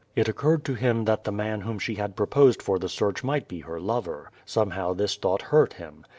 It occurred to him that the man who she had proposed for the search might be her lover. Somehow this thought hurt him.